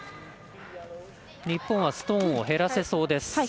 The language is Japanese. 日本はストーンを減らせそうです。